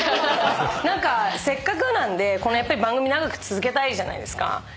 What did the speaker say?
何かせっかくなんでこの番組長く続けたいじゃないですか。